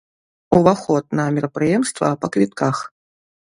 Уваход на мерапрыемствах па квітках.